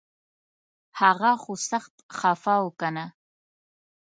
هغه خو سخت خفه و کنه